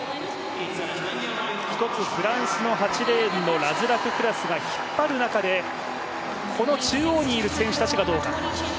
１つフランスの８レースのラズラククラスが引っ張る中でこの中央にいる選手たちがどうか。